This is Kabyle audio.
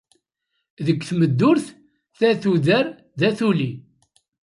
Deg tmeddurt, da tuder, da tuli.